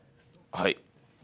はい。